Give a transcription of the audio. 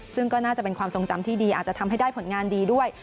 ซึ่งก็น่าจะเป็นความทรงจำที่ดีอาจจะทำให้ได้ผลงานดีด้วย